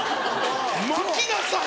巻きなさい。